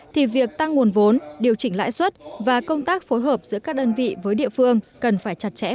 thì việc tăng nguồn vốn điều chỉnh lãi suất và công tác phối hợp giữa các đơn vị với địa phương cần phải chặt chẽ hơn nữa